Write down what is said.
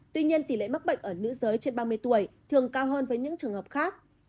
tuy nhiên tỷ lệ mắc bệnh ở nữ giới trên ba mươi tuổi thường cao hơn với những trường hợp khác